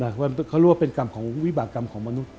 เขาเรียกว่าเป็นกรรมของวิบากรรมของมนุษย